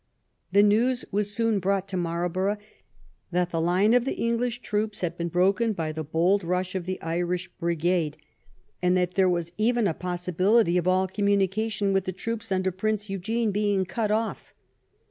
The news was soon brought to Marlborough that the line of the English troops had been broken by the bold rush of the Irish brigade, and that there was 115 THE REIGN OP QUEEN ANNE even a possibility of all communication with the troops under Prince Eugene being cut off.